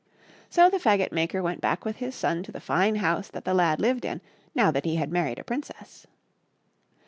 So the fagot maker went back with his son to the fine house that the lad lived in, now that he had married a princess.